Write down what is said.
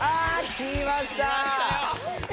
きましたよ！